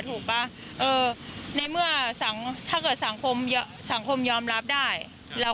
เธอก็ทำในสิ่งที่มันผิดกฎหมายดีกว่า